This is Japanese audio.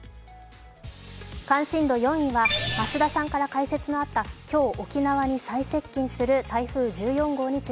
関心度４位は増田さんから解説のあった今日沖縄に最接近する台風１４号。